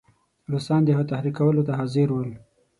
روسان د هغه تحریکولو ته حاضر ول.